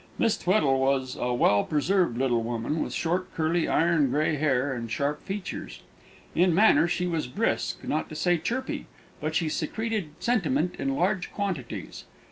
Miss Tweddle was a well preserved little woman, with short curly iron grey hair and sharp features. In manner she was brisk, not to say chirpy, but she secreted sentiment in large quantities.